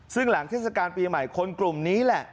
ซึ่งหลังเทศกาลปีใหม่คนกลุ่มนี้แหละ